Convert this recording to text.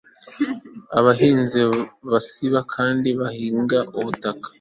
abahinzi basiba kandi bahinga ubutaka